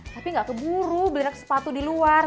tapi gak keburu beli rak sepatu di luar